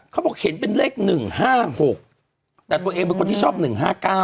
เขาบอกเห็นเป็นเลขหนึ่งห้าหกแต่ตัวเองเป็นคนที่ชอบหนึ่งห้าเก้า